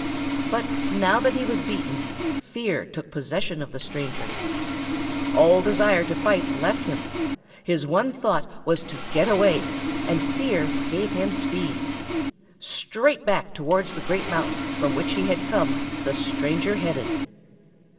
But now that he was beaten, fear took possession of the stranger. All desire to fight left him. His one thought was to get away, and fear gave him speed. Straight back towards the Great Mountain from which he had come the stranger headed.